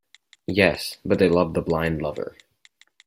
Yes, but they love the blind lover.